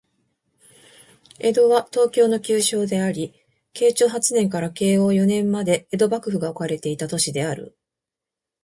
江戸は、東京の旧称であり、慶長八年から慶応四年まで江戸幕府が置かれていた都市である